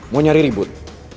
mau nyari ribut